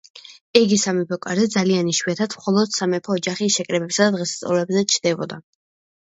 იგი სამეფო კარზე ძალიან იშვიათად, მხოლოდ სამეფო ოჯახის შეკრებებსა და დღესასწაულებზე ჩნდებოდა.